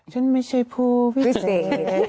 ฉันไม่ใช่ผู้พิเศษ